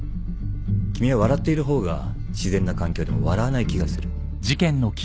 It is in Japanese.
君は笑っている方が自然な環境でも笑わない気がする。